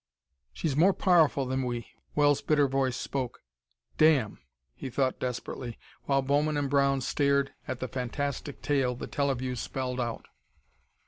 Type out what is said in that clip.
"She's more powerful than we!" Wells' bitter voice spoke. "Damn!" He thought desperately, while Bowman and Brown stared at the fantastic tale the teleview spelled out.